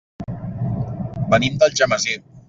Venim d'Algemesí.